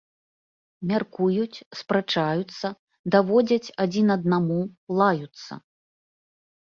Мяркуюць, спрачаюцца, даводзяць адзін аднаму, лаюцца.